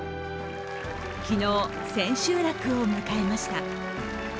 昨日、千秋楽を迎えました。